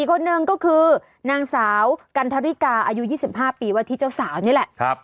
คนหนึ่งก็คือนางสาวกันทริกาอายุ๒๕ปีว่าที่เจ้าสาวนี่แหละ